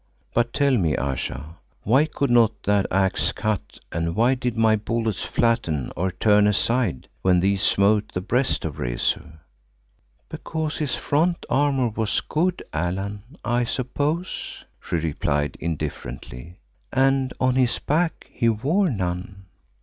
"But tell me, Ayesha, why could not that axe cut and why did my bullets flatten or turn aside when these smote the breast of Rezu?" "Because his front armour was good, Allan, I suppose," she replied indifferently, "and on his back he wore none."